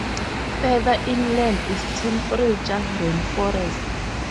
Further inland is temperate rainforest.